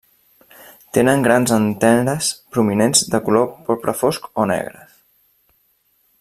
Tenen grans anteres prominents de color porpra fosc o negres.